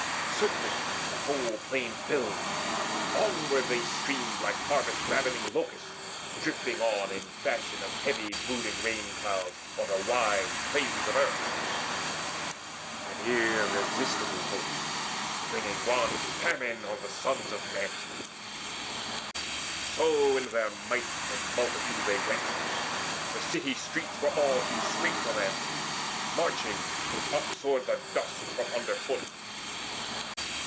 Swiftly the whole plain filled. Onward they streamed Like harvest ravaging locusts drifting on In fashion of heavy brooding rain clouds o'er Wide plains of earth, an irresistible host Bringing wan famine on the sons of men; So in their might and multitude they went. The city streets were all too strait for them Marching: upsoared the dust from underfoot.